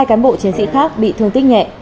hai cán bộ chiến sĩ khác bị thương tích nhẹ